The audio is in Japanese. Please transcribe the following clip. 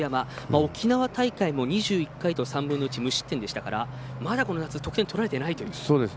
沖縄大会も２１回と３分の１無失点ですからまだこの夏得点取られていないという。